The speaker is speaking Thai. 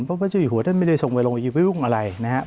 เพราะพระเจ้าอยู่หัวท่านไม่ได้ทรงไปลงไปยุ่งอะไรนะครับ